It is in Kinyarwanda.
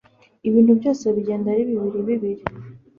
ibintu byose bigenda ari bibiri bibiri